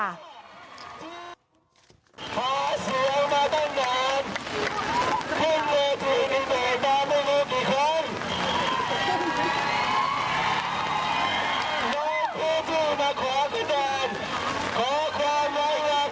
หาเสียงมาตั้งนาน